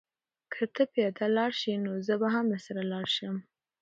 که ته پیاده لاړ شې نو زه به هم درسره لاړ شم.